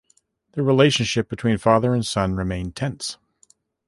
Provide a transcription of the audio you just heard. The relationship between father and son remained tense.